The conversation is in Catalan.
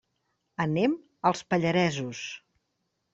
Anem als Pallaresos.